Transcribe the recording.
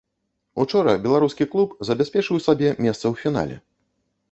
Учора беларускі клуб забяспечыў сабе месца ў фінале.